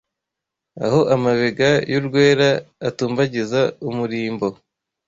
Aho amabega y’urwera Atumbagiza umurimbo